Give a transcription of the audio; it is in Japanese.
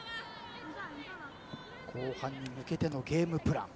後半に向けてのゲームプラン。